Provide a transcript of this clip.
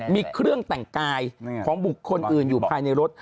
มีเครื่องแต่งกายของบุคคลอื่นอยู่ภายในรถ